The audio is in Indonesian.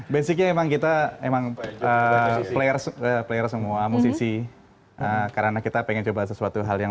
basicnya emang kita emang player semua musisi karena kita pengen coba sesuatu hal yang